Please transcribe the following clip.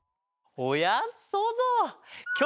おやそうぞう！